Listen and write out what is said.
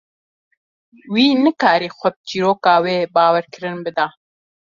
Wî nikarî xwe bi çîroka wê bawerkirin bida.